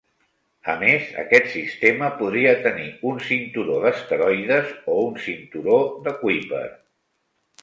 A més, aquest sistema podria tenir un cinturó d'asteroides o un cinturó de Kuiper.